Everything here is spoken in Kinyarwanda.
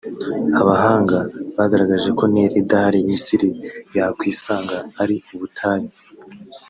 Abahanga bagaragaje ko Nil idahari Misiri yakwisanga ari ubutayu